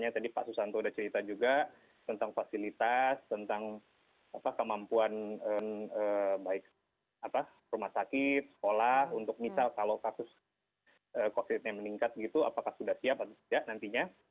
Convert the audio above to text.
jadi pak susanto sudah cerita juga tentang fasilitas tentang apa kemampuan eee baik apa rumah sakit sekolah untuk misal kalau kasus eee covid nya meningkat gitu apakah sudah siap atau tidak nantinya